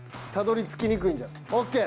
たどり着きにくいんじゃない？